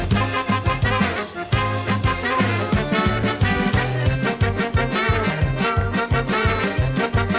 สวัสดีค่ะ